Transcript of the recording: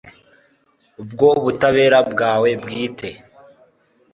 ubwo butabera bwawe bwite